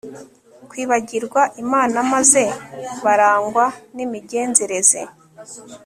kwibagirwa Imana maze barangwa nimigenzereze